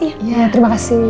iya terima kasih